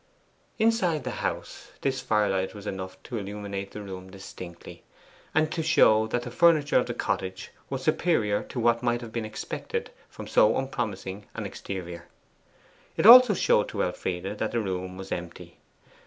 Inside the house this firelight was enough to illumine the room distinctly, and to show that the furniture of the cottage was superior to what might have been expected from so unpromising an exterior. It also showed to Elfride that the room was empty.